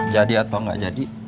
jadi atau nggak jadi